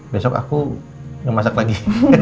besok aku nggak masak lagi